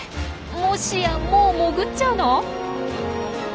もしやもう潜っちゃうの！？